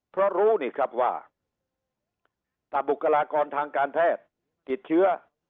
เพราะรู้นี่ครับว่าถ้าบุคลากรทางการแพทย์ติดเชื้อ